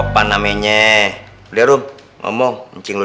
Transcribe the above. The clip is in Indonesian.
pernah kepaduan disana